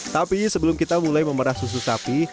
tapi sebelum kita mulai memerah susu sapi